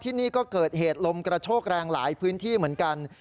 ที่นี่ก็เกิดเหตุลมกระโชกแรงหลายพื้นที่เหมือนกัน